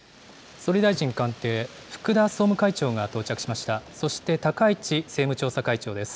総理大臣官邸、福田総務会長が到着しました。